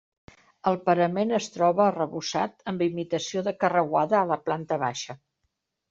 El parament es troba arrebossat, amb imitació de carreuada a la planta baixa.